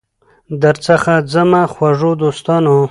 درڅخه ځمه خوږو دوستانو